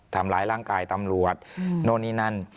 ทำร้ายร่างกายตำรวจโน้นนี่นั่น